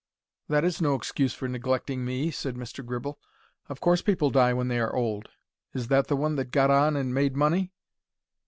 "That is no excuse for neglecting me," said Mr. Gribble. "Of course people die when they are old. Is that the one that got on and made money?"